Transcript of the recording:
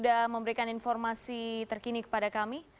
kita juga memberikan informasi terkini kepada kami